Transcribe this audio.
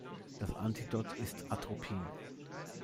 Das Antidot ist Atropin.